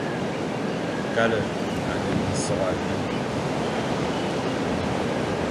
Kal e a ne minsokh abî,